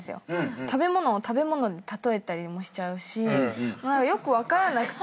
食べ物を食べ物で例えたりもしちゃうしよく分からなくて。